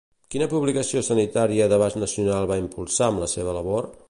Quina publicació sanitària d'abast nacional va impulsar amb la seva labor?